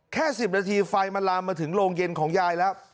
แค่๑๐นาทีไฟมันลามมาถึงโรงเย็นของยายแล้ว